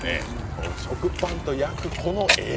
こう食パンと焼くこの絵。